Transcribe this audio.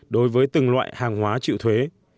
đối với từng loại hàng hóa trịu thuế